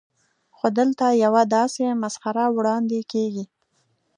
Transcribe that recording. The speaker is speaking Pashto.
خو دلته یوه داسې مسخره وړاندې کېږي.